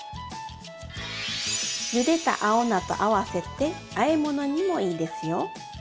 ゆでた青菜と合わせてあえ物にもいいですよ。